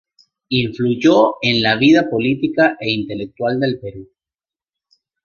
Influyó en la vida política e intelectual del Perú.